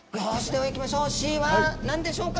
ではいきましょう。